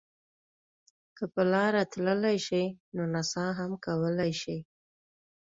که په لاره تللی شئ نو نڅا هم کولای شئ.